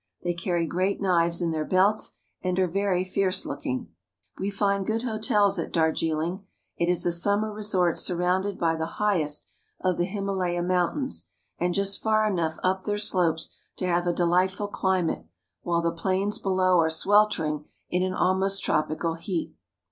They carry great knives in their belts and are very fierce looking. We find good hotels at Darjiling. It is a summer re sort surrounded by the highest of the Himalaya Moun tains, and just far enough up their slopes to have a delightful climate, while the plains below are sweltering in an almost tropical heat.